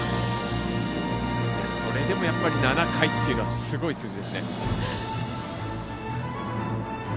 それでもやっぱり７回というのはすごい数字ですね。